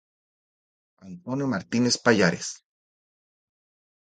Antonio Martínez Pallares.